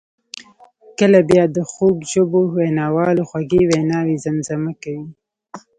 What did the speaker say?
کله بیا د خوږ ژبو ویناوالو خوږې ویناوي زمزمه کوي.